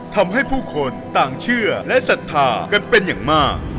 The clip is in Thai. ทำให้ผู้คนต่างเชื่อและศรัทธากันเป็นอย่างมาก